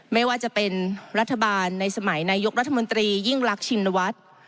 ไม่ว่าจะเป็นรัฐบาลในสมัยนายกรัฐมนตรียิ่งรักชินวัฒน์